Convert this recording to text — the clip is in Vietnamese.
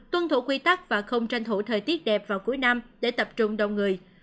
tuân thủ quy tắc và không tranh thủ thời tiết đẹp vào cuối năm để tập trung đông người